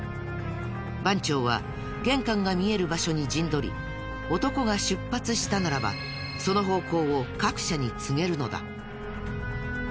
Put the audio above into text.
番長は玄関が見える場所に陣取り男が出発したならばその方向を各車に告げるのだ。